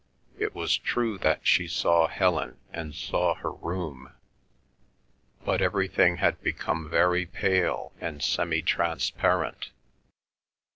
It was true that she saw Helen and saw her room, but everything had become very pale and semi transparent.